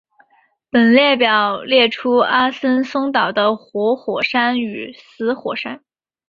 本列表列出阿森松岛的活火山与死火山。